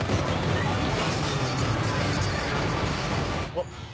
あっ！